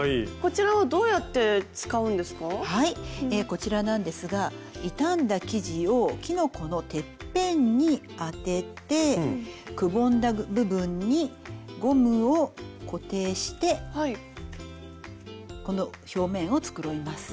こちらなんですが傷んだ生地をキノコのてっぺんに当ててくぼんだ部分にゴムを固定してこの表面を繕います。